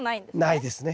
ないですね。